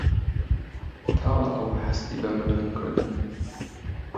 تاڵە ئەو هەستی بە مردن کردن